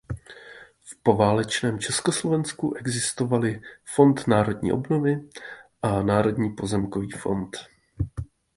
V poválečném Československu existovaly Fond národní obnovy a Národní pozemkový fond.